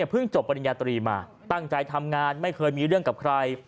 จบปริญญาตรีมาตั้งใจทำงานไม่เคยมีเรื่องกับใคร